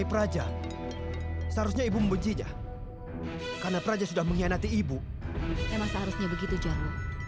dia sering meluang pada perilaku kesilapan